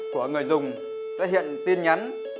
của người dùng sẽ hiện tin nhắn